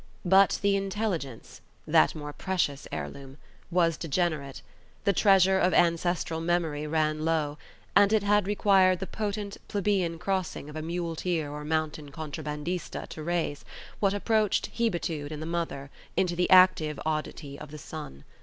But the intelligence (that more precious heirloom) was degenerate; the treasure of ancestral memory ran low; and it had required the potent, plebeian crossing of a muleteer or mountain contrabandista to raise, what approached hebetude in the mother, into the active oddity of the son.